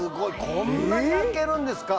こんなに開けるんですか。